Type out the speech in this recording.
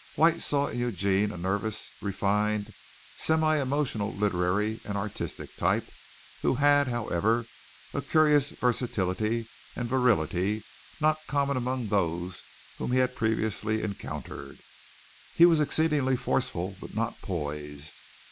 White saw in Eugene a nervous, refined, semi emotional literary and artistic type who had, however, a curious versatility and virility not common among those whom he had previously encountered. He was exceedingly forceful but not poised.